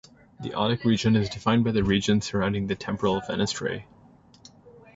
The otic region is defined by the regions surrounding the temporal fenestrae.